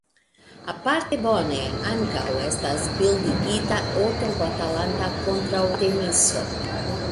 Aparte bone ankaŭ estas bildigita "Oto batalanta kontraŭ Artemiso".